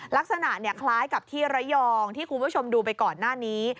ลักษณะคล้ายกับที่ระยองที่คุณผู้ชมดูไปก่อนหน้านี้